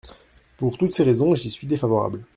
Pour toutes ces raisons, j’y suis défavorable.